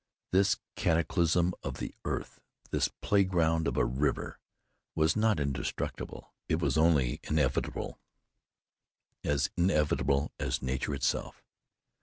This cataclysm of the earth, this playground of a river was not inscrutable; it was only inevitable as inevitable as nature herself.